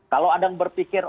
kalau ada yang berpikir